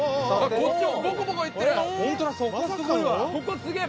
ここすげえ！